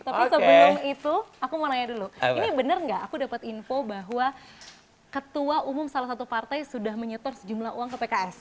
tapi sebelum itu aku mau nanya dulu ini benar nggak aku dapat info bahwa ketua umum salah satu partai sudah menyetor sejumlah uang ke pks